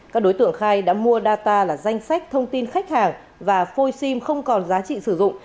các đối tượng khai đã mua data là danh sách thông tin khách hàng và phôi sim không còn giá trị sử dụng